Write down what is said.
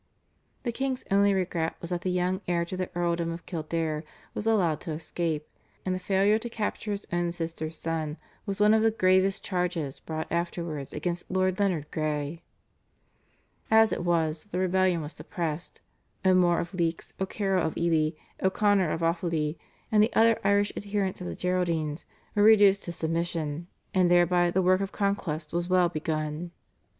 The king's only regret was that the young heir to the Earldom of Kildare was allowed to escape, and the failure to capture his own sister's son was one of the gravest charges brought afterwards against Lord Leonard Grey. As it was, the rebellion was suppressed; O'More of Leix, O'Carroll of Ely, O'Connor of Offaly, and the other Irish adherents of the Geraldines were reduced to submission, and thereby the work of conquest was well begun.